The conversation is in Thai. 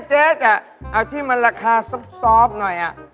อะไรก็ได้เจ๊แต่เอาที่มนต์ราคาแบบที่ทิ้งทิ้งหน่อย